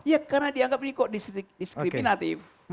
ya karena dianggap ini kok diskriminatif